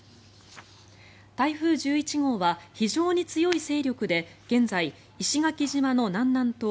台風１１号は非常に強い勢力で現在、石垣島の南南東